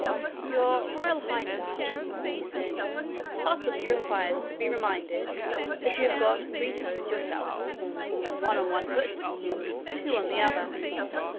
'Your Royal Highness,' he said, 'possibly requires to be reminded that you have got three toes yourself one on one foot, two on the other.'